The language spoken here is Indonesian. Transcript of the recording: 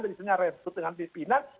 dari sengaja rentut dengan pimpinan